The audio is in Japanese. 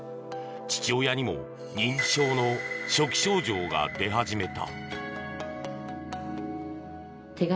父親にも認知症の初期症状が出始めた。